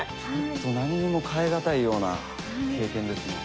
ちょっと何にも代え難いような経験ですね。